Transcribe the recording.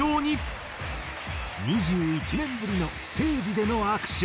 ２１年ぶりのステージでの握手。